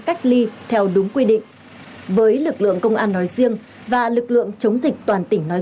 cách ly theo đúng quy định với lực lượng công an nói riêng và lực lượng chống dịch toàn tỉnh nói